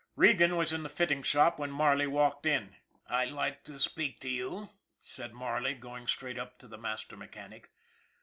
Regan was in the fitting shop when Marley walked in. " I'd like to speak to you," said Marley, going straight up to the master mechanic.